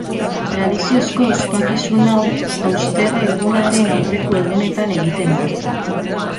Tradiziozko ospakizun hau hausterre-egunaren aurreko egunetan egiten da.